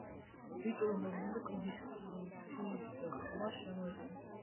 ბიჭი რომ მობრუნდა, კლდის კვეთის ხმა შემოესმა.